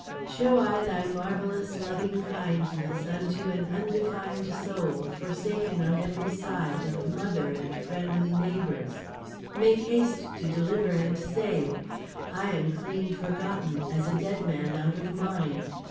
Show I thy marvellous loving kindness unto an undefined soul forsaken on every side of mother and friendly neighbors. Make haste to deliver and save. I am clean forgotten, as a dead man out of mind.